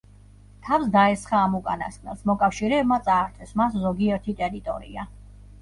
თავს დაესხა ამ უკანასკნელს, მოკავშირეებმა წაართვეს მას ზოგიერთი ტერიტორია.